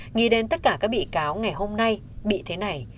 nghĩ đến tất cả các bị cáo ngày hôm nay bị thế này